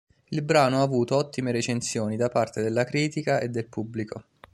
Il Brano ha avuto ottime recensioni da parte della critica e del pubblico.